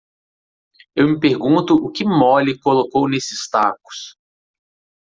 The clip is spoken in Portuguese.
Eu me pergunto o que Molly colocou nesses tacos?